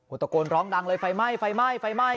ตะโกนร้องดังเลยไฟไหม้ไฟไหม้ไฟไหม้